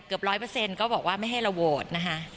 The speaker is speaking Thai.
เกือบ๑๐๐ก็บอกว่าไม่ให้เราโวทรนะฮะ